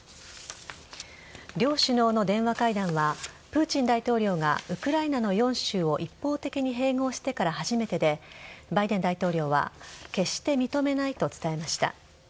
両首脳の電話会談はプーチン大統領がウクライナの４州を一方的に併合してから初めてでバイデン大統領は決して認めないと伝えました。